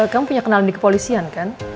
kamu punya kenalan di kepolisian kan